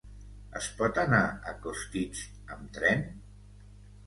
Es pot anar a Costitx amb tren?